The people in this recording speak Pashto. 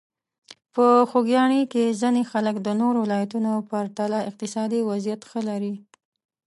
په خوږیاڼي کې ځینې خلک د نورو ولایتونو په پرتله اقتصادي وضعیت ښه لري.